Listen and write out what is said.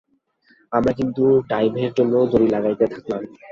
আমরা কিন্তু ডাইভের জন্য দড়ি লাগাতেই থাকলাম।